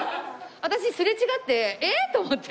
私すれ違ってえっ？と思って。